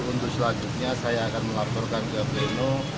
untuk selanjutnya saya akan menghormati putusan ke pleno